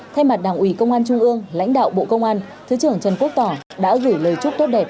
thay mặt đảng ủy công an trung ương lãnh đạo bộ công an thứ trưởng trần quốc tỏ đã gửi lời chúc tốt đẹp